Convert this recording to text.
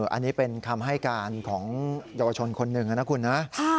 อันนี้เป็นคำให้การของเยาวชนคนหนึ่งนะคุณนะ